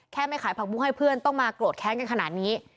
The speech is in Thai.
ไม่ขายผักบุ้งให้เพื่อนต้องมาโกรธแค้นกันขนาดนี้